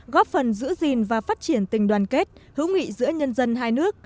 góp phần giữ gìn và phát triển tình đoàn kết hữu nghị giữa nhân dân hai nước